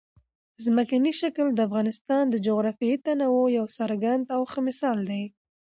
ځمکنی شکل د افغانستان د جغرافیوي تنوع یو څرګند او ښه مثال دی.